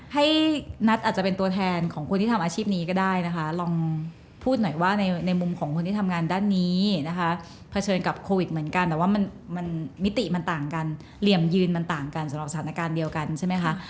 ให้นัทอาจจะเป็นตัวแทนของคนที่ทำอาชีพนี้ก็ได้นะคะลองพูดหน่อยว่าในมุมของคนที่ทำงานด้านนี้นะคะเผชิญกับโควิดเหมือนกันแต่ว่ามันมิติมันต่างกันเหลี่ยมยืนมันต่างกันสำหรับสถานการณ์เดียวกันใช่ไหมคะ